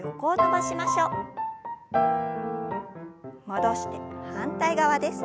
戻して反対側です。